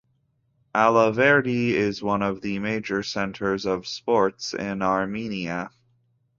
Alaverdi is one of the major centres of sports in Armenia.